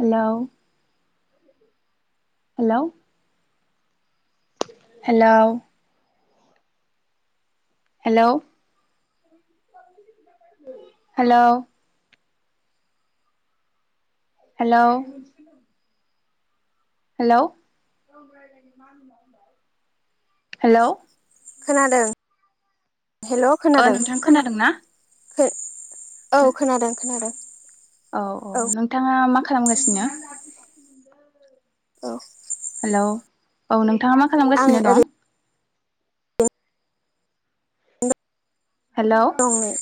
Hello hello. Hello. Hello. Hello. Hello. Hello hello. खोनादों। Hello ओ खोनादों नोंथां खोनादों ना? औ खोनादों खोनादों। औ औ नोंथाङा मा खालामगासिनो। औ। हेल' औ नोंथाङा मा आं खालामगासिनो ओरैनो दं। हेल'। दं नै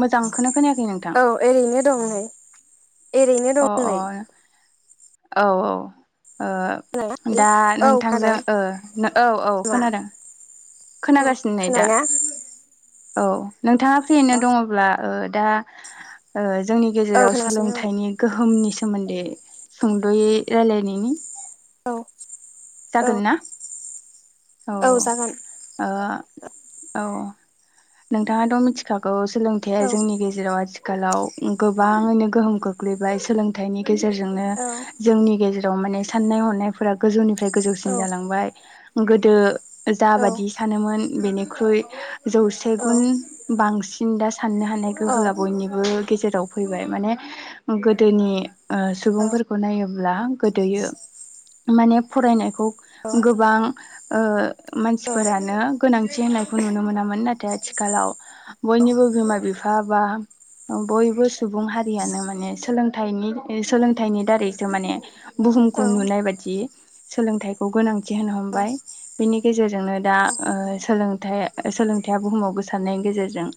मोजांखोनो खोनायाखै नोंथां। औ ओरैनो दं नै एरैनो अ दं अ नै। औ औ। ओ खोनादों दा औ नोंथांजों खोनादों ओ औ औ मा खोनादों। औ खोनागासिनो नै दा। खोनाबायना औ नोंथाङा फ्रियैनो औ दङब्ला ओ दा ओ जोंनि गेजेराव खोनागासिनो सोलोंथाइनि गोहोमनि सोमोन्दै सुंद'यै रायलायनायनि। औ। औ जागोन ना? औ ओ औ औ नोंथाङाथ' मिथिखागौ। सोलोंथाइया औ जोंनि गेजेराव आथिखालाव गोबाङैनो गोहोम खोख्लैबाय सोलोंथाइनि। गेजेरजोंनो औ जोंनि गेजेराव माने साननाय हनायफोरा गोजौनिफ्राय। औ गोजौसिन जालांबाय गोदो औ जाबादि सानोमोन बेनिख्रुइ। जौसे औ गुन बांसिन दा साननो हानाय गोहोआ औ बयनिबो। गेजेराव फैबाय माने गोदोनि ओ औ सुबुंफोरखौ नायोब्ला। गोदोयो माने फरायनायखौ गोबां ओ मानसिफोरानो गोनांथि होननायखौ नुनो मोनामोन नाथाय आथिखालाव। बयनिबो बिमा बिफा बा बयबो सुबुं हारियानो माने सोलों थाइनि सोलोंथाइनि दारैसो माने बुहुमखौ नुनाय बादि। सोलोंथाइखौ गोनांथि होनो हमबाय बेनि गेजेर जोंनो दा ओ सोलोंथाइ ओ सोलोंथाइया बुहुमाव गोसार नायनि गेजेरजों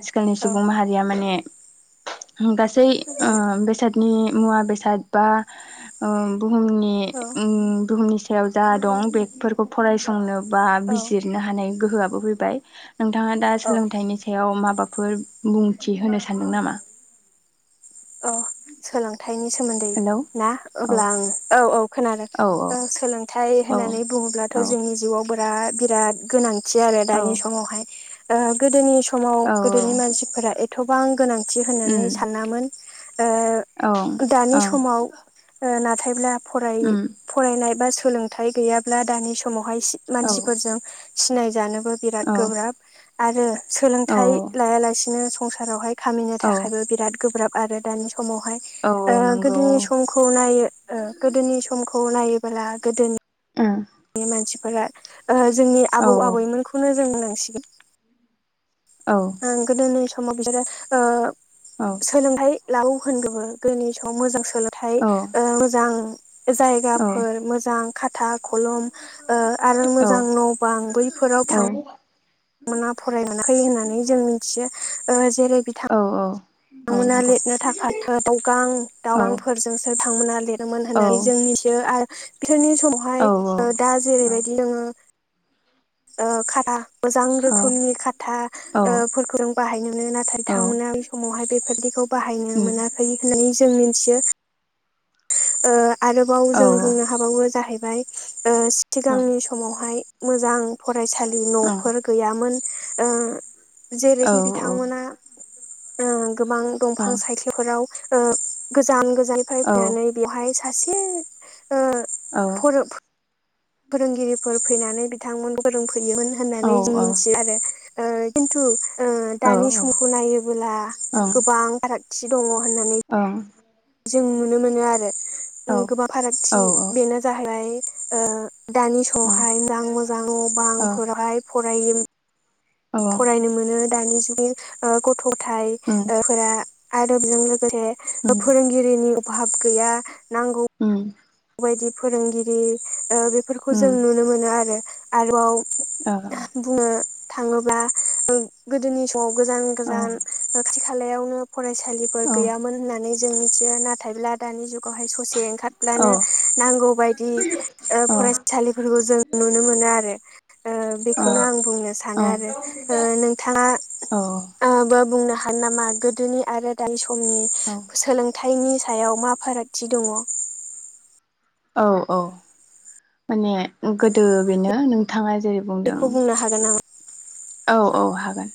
आथिखालनि सुबुं माहारिया माने होम गासै उम बेसादनि मुवा बेसाद बा ओ बुहुमनि उम बुहुमनि सायाव जा दं बेफोरखौ फरायसंनो बा औ औ बिजिरनो हानाय गोहोआ बोफैबाय नोंथाङा दा औ सोलोंथाइनि सायाव माबा फोर बुंथि होनो सानदों नामा? अ' सोलोंथाइ थाइनि सोमोन्दै हेलौ ना औ अब्ला आं औ औ खोनादों औ ओ सोलोंथाइ औ होननानै बुं ङोब्लाथ' औ जोंनि जिउआव बोराथ बिराथ गोनांथि आरो औ दानि समावहाय ओ गोदोनि स समाव औ गोदोनि मानसिफोरा एथ'बां गोनांथि उम होननानै सानामोन ओ ओं दानि ओं समाव ओ नाथायब्ला उम फराय-फरायनाय बा सोलोंथाइ गैयाब्ला दानि समावहाय सि औ मानसिफोरजों सिनाय जानो बो बिराद गोब्राब आरो औ सोलोंथाइ लाया लासेनो संसारावहाय खामिनो औ थाखायबो बिराद गोब्राब आरो दानि समावहाय औ ओ नंगौ गोदोनि समखौ नायो ओ गोदोनि सम खौ नायोब्ला गोदोनि औ नि मानसिफोरा ओ जोंनि आबौ आबैमोनखौनो जों बुंनांसिगोन औ ओं गोदोनि समाव बिसोरो ओ औ सोलोंथाइ लागौ होनब्लाबो गोदोनि समाव मोजां सोलोंथाइ औ ओ मोजां ओ औ जायगाफोर मोजां था खलम आरो ओ मोजां न'बां बैफोराव औ थां मोना फराय मोनाखै होननानै जों मिथियो ओ औ औ। थांमोना नंगौ लिरनो थाखाय [unintelligible] दावगां औ दावगांफोरजोंसो थांमोना लिरोमोन होननानै जों औ मिथियो आर बिसोरनि औ समावहाय ओ दा जेरैबायदि जोङो ओ खाथा मोजां रोखोमनि खाथा औ ओ फोरखौ जों बाहायनो मोनो नाथाय बिथांमोना बै समावहाय बेफोरदिखौ खौ बाहायनो उम मोनाखै होननानै जों मिनथियो। ओ आरोबाव औ जों बुंनो हाबावो जाहैबाय ओ सिथगांनि समावहाय मोजां फरायसालि ओं न'फोर गैयामोन ओ औ जेरै दि बिथांमोना ओ गोबां दंफां सायख्लुफोराव ओ गोजान गोजाननिफ्राय ओं औ फैनानै बेवहाय सासे ओ औ औ ओं औ उम फोरो-फोरोंगिरिफोर फैनानै बिथांमोन फोरों हैयोमोन ओ होननानै जों औ मिनथियो आरो खिन्थु ओ उम दानि समखौ नायोबोला गोबां फारागथि दङ। होननानै औ। जों नुनो मोनो आरो उम गोबां ओ औ फारागथि बेनो जाहैबाय ओ दानि समावहाय नां मोजां बांफोरावहाय फरायो औ फरायनो मोनो दानि जुगनि ओ गथ'गथाय ओ फोरा आरो बेजों लो गोसे ओ‌ फोरोंगिरिनि अभाब गैया नांगौ खौ बायदि फोरोंगिरि ओ बेफोरखौ जों नुनो मोनो आरो आरोबाव बुंनो थाङोब्ला उम गोदोनि समाव गोजान गोजान ओ खाथि खालायावनो फरायसालिफोर गैयामोन होननानै जों मिथियो नाथायब्ला दानि जुगावहाय ससे ओंखारब्लानो नांगौ बायदि ओ फरायसालिफोरखौ जों नुनो मोनो आरो ओ बेखौनो आं बुंनो सानो आरो। ओ नोंथाङा ओ बो बुंनो हा हायो नामा गोदोनि आरो दानि समनि सोलोंथाइनि सायाव मा फारागथि दङ? औ औ माने गोदो बेनो नोंथाङा जेरै बुंदों बेखौ बुंनो हागोन नामा? औ औ हागोन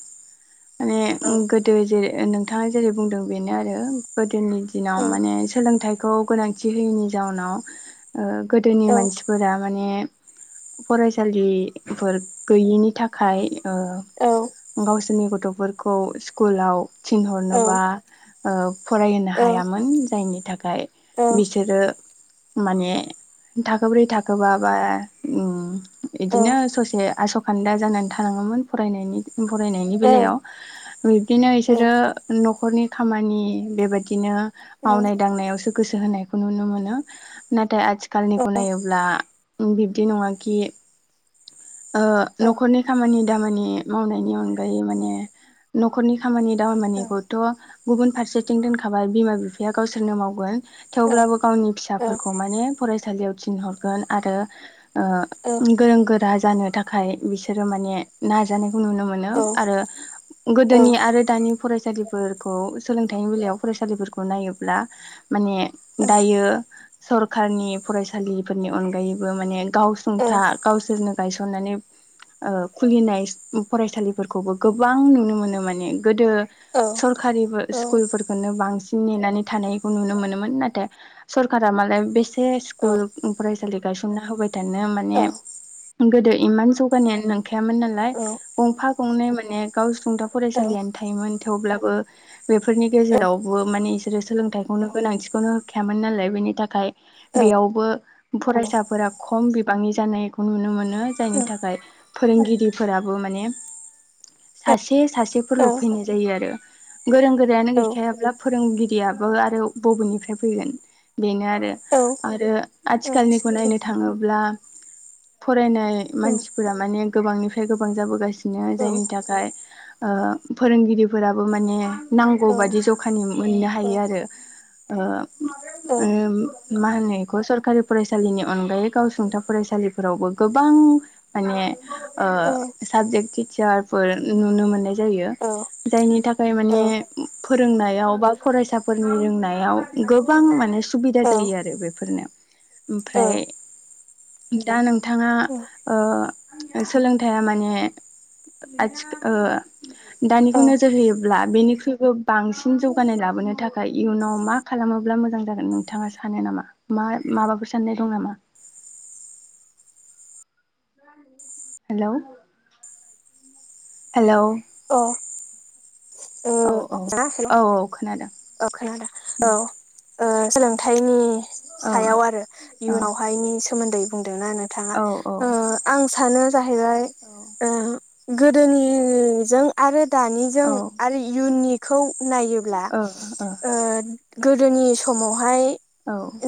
माने औ गोदो जेरै ओ नोंथाङा जेरै बुंदों बेनो आरो गोदोनि दिनाव औ माने सोलोंथाइ बेखौ गोनांथि होयैनि जाउनाव ओ गोदोनि मानसिफोरा माने फरायसालिफोर गैयिनि थाखाय ओ औ गावसि नि गथफोरखौ स्कुलाव औ थिनहरनोबा ओ फरायहोनो औ हायामोन जायनि थाखाय औ बिसोरो माने थाखोब्रै थाखोबा बा उम औ इदिनो ससे आसखान्दा जानानै थानाङो मोन फरायनायनि फरायनायनि औ बेलायाव बिदिनो इसोरो नखरनि खामानि बेबायादिनो औ मावनाय दांनायावसो गोसो होनायखौ नुनो मोनो नाथाय आथिखालनि खो नायोब्ला बिब्दि नङा कि ओ औ नखरनि खामानि दामानि मावनायनि अनगायै माने नखरनि खामानि दामा मा निखौथ गुबुन फारसेथिं दोनखाबाय बिमा बिफाया गावसोरनो मावगोन औ औ थेवब्लाबो गावनि फिसाफोरखौ माने फरायसालियाव थिनहरगोन आरो ओ‌ ऐ गोरों गोर रा जानो थाखाय बिसोरो माने नाजानायखौ नुनो मोनो आरो गोदोनि आरो दानि फरायसालिफोरखौ सोलोंथाइनि बेलायाव फरायसालिफोरखौ नायोब्ला माने दायो सरखारनि फरायसालिफोरनि अनगायैबो माने गावसुंथा था गावसोरनो गायसननानै ओ खुलिनाय फरायसालिफोरखौबो गोबां नुनो मोनो माने गोदो सर कारिबो स्कुलफोरखोनो बांसिन नेनानै थानायखौ नुनो मोनोमोन नाथाय सरखारा मालाय बेसे स्कुल फरायसालि गायसनना होबाय थानो माने गोदो इमान जौगानायानो नोंखायामोन नालाय गंफा गंनै माने‌ गाव‌सुंथा फरायसालियानो थायोमोन थेवब्लाबो बेफोरनि गेजेरावबो माने इसोरो सोलोंथाइखौनो गोनांथिखौनो होखायामोन नालाय बेनि थाखाय बेयावबो फरायसाफोरा खम बिबांनि जानायखौ नुनो मोनो नों जायनि थाखाय फोरोंगिरिफोराबो माने सासे सासे फोरल फैनाय जायो आरो गोरों गोरायानो गैखायाब्ला फोरोंगिरियाबो आरो बबेनिफ्राय फैगोन बेनो आरो औ आरो आथिखालनिखौ नायनो थाङोब्ला फरायनाय मानसिफोरा माने गोबांनिफ्राय गोबां जाबोगासिनो जायनि थाखाय ओ फोरोंगिरिफोराबो माने नांगौ बादि जखानि मोननो हायो आरो ओ उम मा होनो एखौ सरकारि फरायसालिनि अनगायै गावसुंथा फरायसा लिफोरावबो गोबां माने ओ साबजेक्ट टिचारफोर नुनो मोननाय जायो जायनि थाखाय माने फोरोंनायाव बा फरायसाफोरनि रोंनायाव गोबां मा ने सुबिदा जायो आरो बेफोरनो ओमफ्राय दा नों थाङा ओ सोलोंथाया माने आथिख ओ दानिखौ नोजोर होयोब्ला बेनिख्रुइबो बांसिन जौगानाय लाबो नो थाखाय इयुनाव मा खालामोब्ला मोजां जागोन नोंथाङा सानो नामा मा माबफोर साननाय दं नामा? हेलौ औ औ औ औ खोनादों औ खोनादों औ ओ सोलोंथाइनि ओं सायाव आरो ओं इयुनावहायनि सोमोन्दै बुंदोंना नोंथाङा औ औ ओ आं सानो जाहैबाय ओ गोदोनिजों आरो ओ दानिजों आरो इयुननिखौ नायोब्ला ओह‌ ओह ओ गोदोनि समावहाय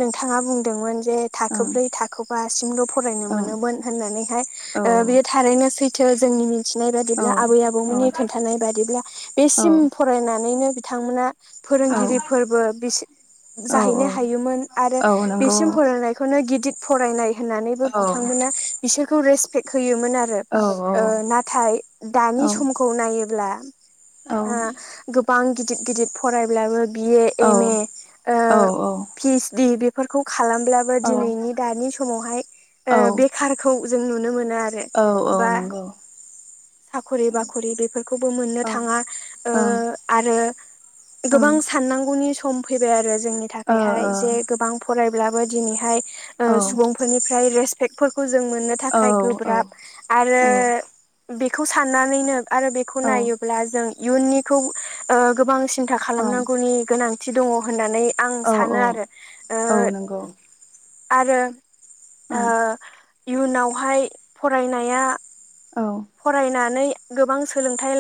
नोंथाङा बुंदोंमोन जे ओं थाखोब्रै थाखोबासिमल फरायनो ओं मोनोमोन होननानैहाय औ ओ बियो थारैनो सैथ थो जोंनि मिथिनाय औ बादिब्ला आबै आबौमोननि खोन्थानाय बादिब्ला बेसिम फरायनानैनो बि थांमोना औ फोरोंगिरिफोरबो बिसे औ जाहैनो औ हायोमोन आरो औ नंगौ बेसिम फरायनायखौनो गिदि फरायनाय होननानैबो औ औ बिथांमोना बिसोरखौ रेसपेक्ट होयो मोन आरो औ ओ नाथाय औ दानि समखौ नायोब्ला ओ गोबां गिदिर गिदिर फरायब्लाबो बिए औ एम ए ओ पि ओसडि बेफोरखौ खालामब्लाबो दिनैनि दानि समावहाय औ ओ बेखारखौ जों नुनो मोनो आरो औ औ बा नंगौ साख'रि बाख'रि बेफोरखौबो मोन्नो थाङा। ओ ओं आरो ओं गोबां ओ साननांगौनि सम फैबाय आरो जोंनि ओ थाखायहाय जे गोबां फरायब्लाबो दिनैहाय ओ औ सुबुंफोरनिफ्राय रेपेक फोरखौ जों मोन्नो थाखाय गोब्राब आरो औ औ बेखौ साननानैनो आरो बेखौ औ ओं नायोब्ला जों इयुननिखौ ओ गोबां सिन्था खालामनांगौनि गोनां थि दङ होन्नानै आं औ सानो आरो ओ औ नंगौ आरो ओ ओं इयुनावहाय फरायनाया औ फरायनानै गोबां सोलोंथाइ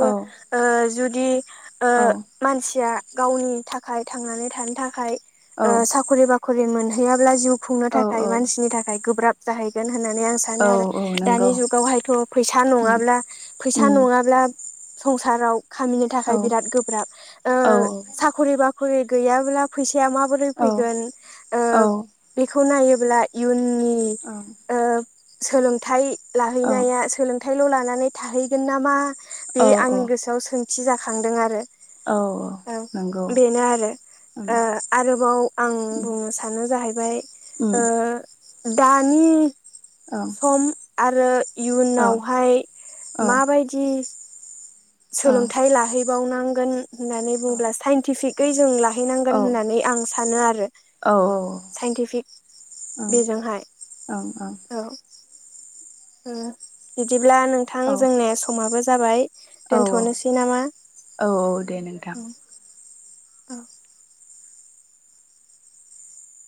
औ औ ओ जुदि ओ औ मानसिया गावनि थाखाय थांनानै थानो थाखाय ओ साख्रि बा खरि मोनहैयाब्ला जिउ खुंनो औ थाखाय मानसिनि थाखाय गोब्राब जाहैगोन होन्नानै आं सानो औ आरो दानि नंगौ जुगावहायथ' फैसा उम नङाब्ला फैसा उम नङाब्ला संसाराव खामिनो औ थाखाय बिराद गोब्राब ओ औ साखरि बाख'रि खरि गैयाबोला फैसाया माबोरै औ फैगोन? ओ ओं बे खौ नायोब्ला इयुननि ओ सोलोंथाइ औ लाहैनाया थाइल' लानानै थाहैगोन नामा बे औ आंनि औ गोसोआव सोंथि जाखांदों आरो । औ। औ नंगौ बेनो आरो। उम ओ आरोबाव आं उम बुंनो सानो जाहैबाय ओ उम दानि ओं सम आरो ओ इयुनाव हाय ओ माबायदि ओ सोलोंथाइ लाहैबावनांगोन होन्नानै बुंब्ला साइनटिफिकै जों लाहैनांगोन ओ औ होननानै आं सानो आरो। औ ओं साइन्टिफिक ओं बेजोंहाय औ। ओ बिदिब्ला नोंथां औ जोंनि समाबो जाबाय औ औ दोनथ'नोसै नामा? औ दे नोंथां औ